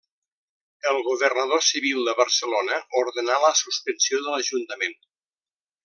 El governador civil de Barcelona ordenà la suspensió de l'ajuntament.